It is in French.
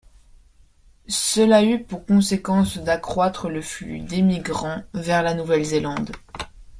Cela eut pour conséquence d’accroître le flux d’émigrants vers la Nouvelle-Zélande.